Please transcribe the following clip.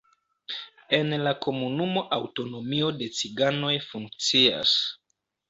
En la komunumo aŭtonomio de ciganoj funkcias.